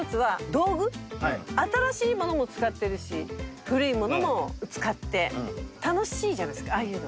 新しいものも使ってるし古いものも使って楽しいじゃないですかああいうの。